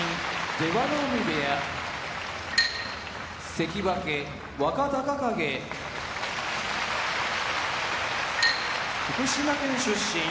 出羽海部屋関脇・若隆景福島県出身